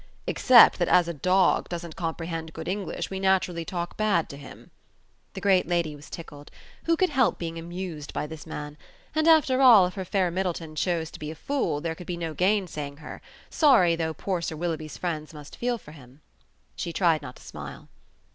"Except that as a dog doesn't comprehend good English we naturally talk bad to him." The great lady was tickled. Who could help being amused by this man? And after all, if her fair Middleton chose to be a fool there could be no gainsaying her, sorry though poor Sir Willoughby's friends must feel for him. She tried not to smile.